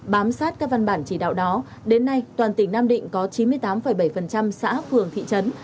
bám sát các văn bản chỉ đạo đó đến nay toàn tỉnh nam định có chín mươi tám bảy xã phường thị trấn